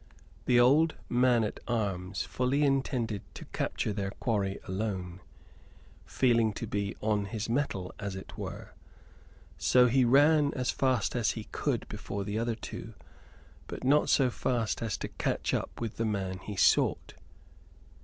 The old man at arms fully intended to capture their quarry alone; feeling to be on his mettle, as it were. So he ran as fast as he could before the other two; but not so fast as to catch up with the man he sought.